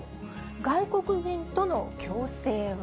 外国人との共生は？